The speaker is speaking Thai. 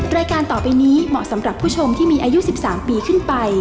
รายการต่อไปนี้เหมาะสำหรับผู้ชมที่มีอายุ๑๓ปีขึ้นไป